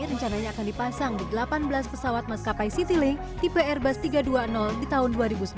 rencananya akan dipasang di delapan belas pesawat maskapai citylink tipe airbus tiga ratus dua puluh di tahun dua ribu sembilan belas